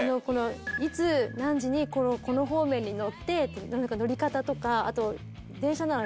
いつ何時にこの方面に乗ってって乗り方とかあと電車なら料金ですね。